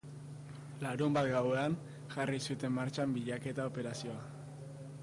Larunbat gauean jarri zuten martxan bilaketa operazioa.